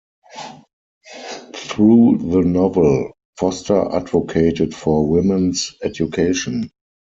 Through the novel, Foster advocated for women's education.